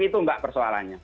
itu enggak persoalannya